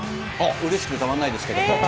うれしくてたまんないんですけど。